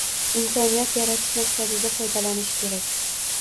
imkoniyat yaratish maqsadida foydalanish kerak.